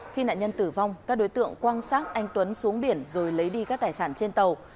khi nạn nhân tử vong các đối tượng quang xác anh tuấn xuống biển rồi lấy đi các tài sản trên tàu